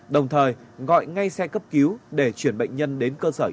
đồng thời gọi ngay xe cấp cứu để chuyển bệnh nhân đến cơ sở